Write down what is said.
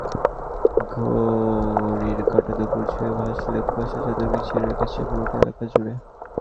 ঘড়ির কাঁটা দুপুর ছুঁয়ে ভাসলেও কুয়াশা চাদর বিছিয়ে রেখেছে পুরোটা এলাকা জুড়ে।